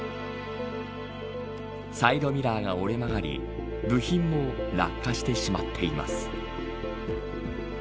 サイドミラーが折れ曲がり部品も落下してしまっています。